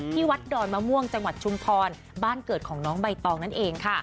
วัดดอนมะม่วงจังหวัดชุมพรบ้านเกิดของน้องใบตองนั่นเองค่ะ